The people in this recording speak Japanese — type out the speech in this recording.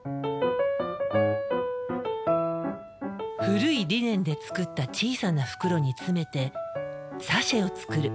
古いリネンで作った小さな袋に詰めてサシェを作る。